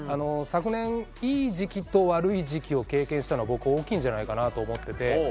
昨年いい時期と悪い時期を経験したのが大きいんじゃないかなと思っていて。